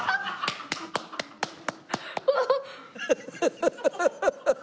ハハハハハッ。